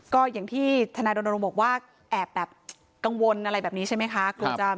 ก็อย่างที่ทนายรณรงค์บอกว่าแอบแบบกังวลอะไรแบบนี้ใช่ไหมคะ